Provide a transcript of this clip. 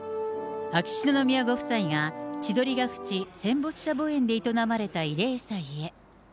秋篠宮ご夫妻が千鳥ヶ淵戦没者墓苑で営まれた慰霊祭へ。